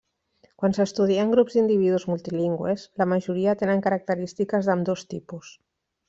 Quan s'estudien grups d'individus multilingües, la majoria tenen característiques d'ambdós tipus.